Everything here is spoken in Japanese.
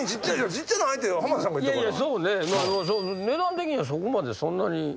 値段的にはそこまでそんなに。